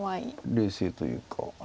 冷静というか。